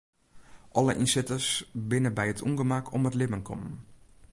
Alle ynsitters binne by it ûngemak om it libben kommen.